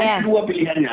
ada dua pilihannya